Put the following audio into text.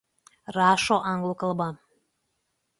Rašo anglų kalba.